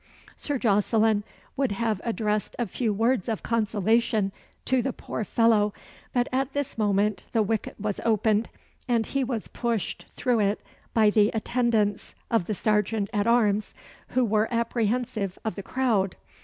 Sir Jocelyn would have addressed a few words of consolation to the poor fellow, but at this moment the wicket was opened, and he was pushed through it by the attendants of the serjeant at arms, who were apprehensive of the crowd.